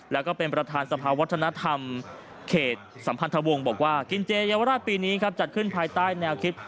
แล้วก็เป็นประธานสภาวัฒนธรรมเขตสัมพันธวงศ์บอกว่ากินเจเยาวราชปีนี้ครับจัดขึ้นภายใต้แนวคิด